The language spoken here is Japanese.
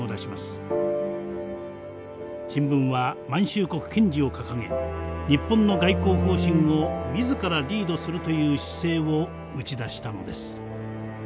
新聞は満州国堅持を掲げ日本の外交方針を自らリードするという姿勢を打ち出したのです。